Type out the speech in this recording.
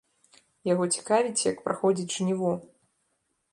Яго цікавіць, як праходзіць жніво.